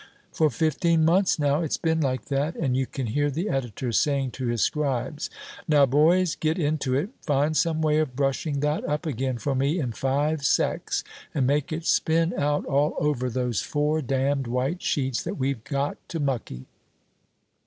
For fifteen months now it's been like that, and you can hear the editor saying to his scribes, 'Now, boys, get into it! Find some way of brushing that up again for me in five secs, and make it spin out all over those four damned white sheets that we've got to mucky.'"